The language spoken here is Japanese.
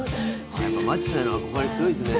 マッチさんへの憧れ強いですね。